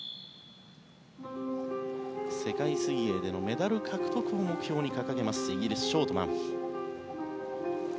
世界水泳でのメダル獲得を目標に掲げますイギリス、ショートマン。